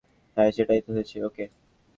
হ্যাঁ সেটাই তো হয়েছে, ওকে!